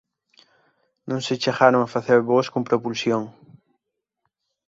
Non se chegaron a facer voos con propulsión.